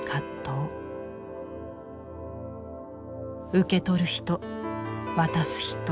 受け取る人渡す人。